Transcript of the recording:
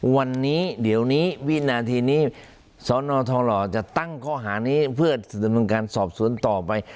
วันนี้เดี๋ยวนี้วินาทีนี้สนทองหล่อจะตั้งข้อหานี้เพื่อดำเนินการสอบสวนต่อไป